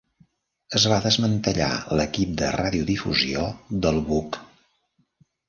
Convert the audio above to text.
Es va desmantellar l'equip de radiodifusió del buc.